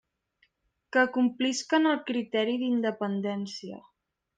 Que complisquen el criteri d'independència.